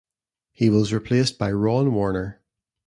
He was replaced by Ron Warner.